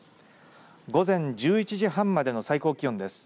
午前１１時半までの最高気温です。